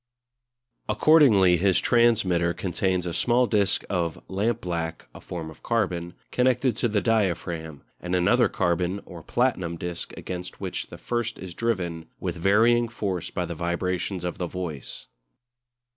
Accordingly his transmitter contains a small disc of lampblack (a form of carbon) connected to the diaphragm, and another carbon or platinum disc against which the first is driven with varying force by the vibrations of the voice.